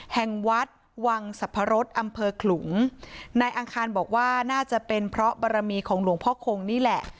แห่งวัดวังสรรพรสอำเภอขลุงนายอังคารบอกว่าน่าจะเป็นเพราะบารมีของหลวงพ่อคงนี่แหละ